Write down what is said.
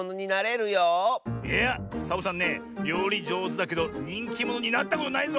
いやサボさんねりょうりじょうずだけどにんきものになったことないぞ。